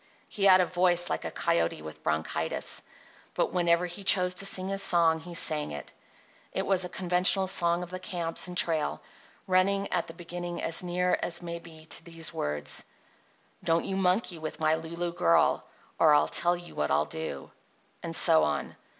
He had a voice like a coyote with bronchitis, but whenever he chose to sing his song he sang it. It was a conventional song of the camps and trail, running at its beginning as near as may be to these words: Don't you monkey with my Lulu girl Or I'll tell you what I'll do— and so on.